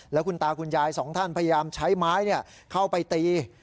แล้วคุณตาคุณยายสองท่านพยายามใช้ไม้เข้าไปตี